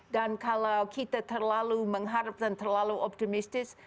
kalau kita terlalu mengharap dan terlalu optimistis